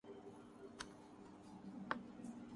اگر کلثوم نواز قومی اسمبلی میں پہنچ گئیں۔